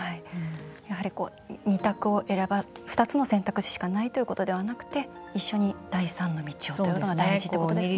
やはり、２つの選択肢しかないということではなくて一緒に第三の道をということが大事ということですね。